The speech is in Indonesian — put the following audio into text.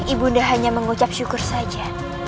ibu nda hanya mengucap syukur saja